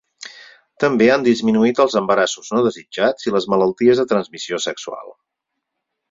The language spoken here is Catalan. També han disminuït els embarassos no desitjats i les malalties de transmissió sexual.